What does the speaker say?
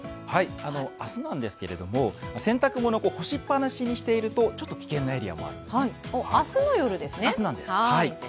明日なんですけども、洗濯物、干しっぱなしにしているとちょっと危険なエリアもあるんですね。